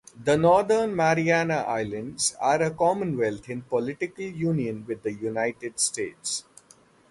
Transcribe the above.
The Northern Mariana Islands are a commonwealth in political union with the United States.